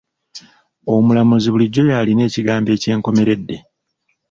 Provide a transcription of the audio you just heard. Omulamuzi bulijjo y'alina ekigambo eky'enkomeredde.